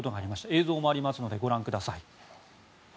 映像もありますのでご覧ください。